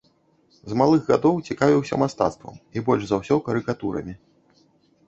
З малых гадоў цікавіўся мастацтвам і больш за ўсё карыкатурамі.